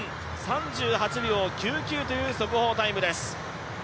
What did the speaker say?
３８秒９９という速報タイムです。